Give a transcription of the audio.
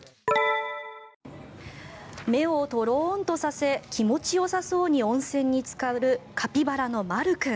目をとろんとさせ気持ちよさそうに温泉につかるカピバラのまる君。